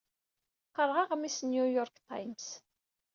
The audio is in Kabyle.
Qqareɣ aɣmis n New York Times.